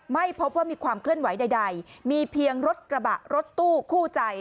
ไม่พบว่ามีความเคลื่อนไหวใดมีเพียงรถกระบะรถตู้คู่ใจ